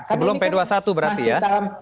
sebelum p dua puluh satu berarti ya